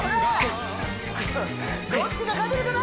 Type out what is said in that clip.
どっちが勝てるかな？